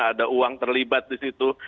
ada uang terlibat di situ